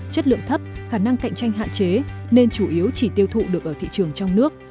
chất lượng thấp khả năng cạnh tranh hạn chế nên chủ yếu chỉ tiêu thụ được ở thị trường trong nước